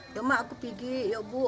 ya emang aku pijik ya bu